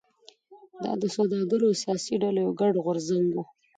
دا د سوداګرو او سیاسي ډلو یو ګډ غورځنګ و.